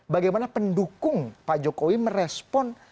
bagaimana pendukung pak jokowi merespon